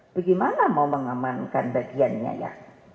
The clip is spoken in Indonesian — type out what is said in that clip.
bagaimana mau mengamankan bagiannya ya